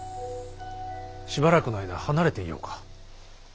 しばらくの間離れていようか。